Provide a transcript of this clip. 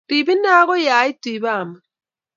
Rib inee akoi aitu ipamut